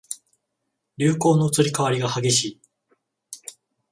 流行の移り変わりが激しい